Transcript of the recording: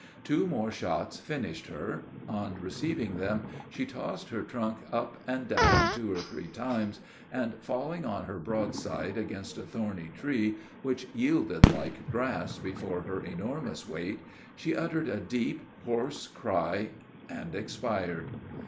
Two more shots finished her: on receiving them, she tossed her trunk up and down two or three times, and, falling on her broadside against a thorny tree, which yielded like grass before her enormous weight, she uttered a deep, hoarse cry, and expired.